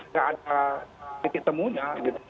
gak ada titik temunya